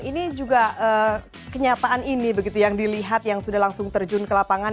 ini juga kenyataan ini begitu yang dilihat yang sudah langsung terjun ke lapangan